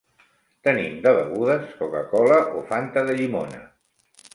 Tenim de begudes coca-cola o fanta de llimona.